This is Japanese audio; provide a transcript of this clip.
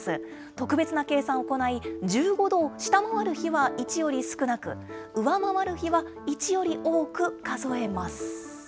特別な計算を行い、１５度を下回る日は１より少なく、上回る日は１より多く数えます。